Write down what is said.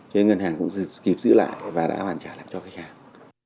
cho nên ngân hàng cũng kịp giữ lại và đã hoàn trả lại cho khách hàng